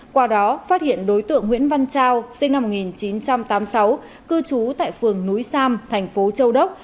qua đó phát hiện đối tượng nguyễn văn trao sinh năm một nghìn chín trăm tám mươi sáu cư trú tại phường núi sam thành phố châu đốc